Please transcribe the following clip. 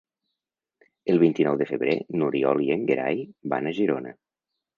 El vint-i-nou de febrer n'Oriol i en Gerai van a Girona.